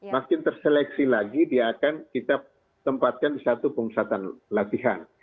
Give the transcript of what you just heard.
makin terseleksi lagi dia akan kita tempatkan di satu pemusatan latihan